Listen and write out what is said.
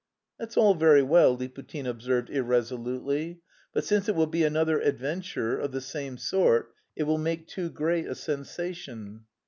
"That's all very well," Liputin observed irresolutely, "but since it will be another adventure... of the same sort... it will make too great a sensation."